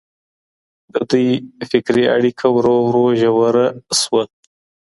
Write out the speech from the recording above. د دوی فکري اړیکه ورو ورو ژوره شوه.